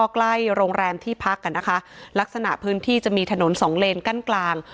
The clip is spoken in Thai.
ใกล้โรงแรมที่พักกันนะคะลักษณะพื้นที่จะมีถนนสองเลนกั้นกลาง